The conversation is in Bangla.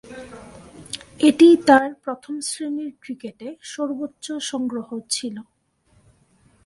এটিই তার প্রথম-শ্রেণীর ক্রিকেটে সর্বোচ্চ সংগ্রহ ছিল।